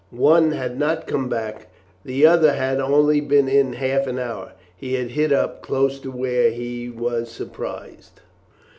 One had not come back; the other had only been in half an hour. He had hid up, close to where we was surprised.